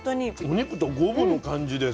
お肉と五分の感じです。